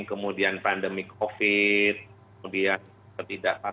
kemudian pandemi covid sembilan belas kemudian ketidakpastian